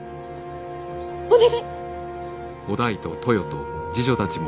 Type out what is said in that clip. お願い！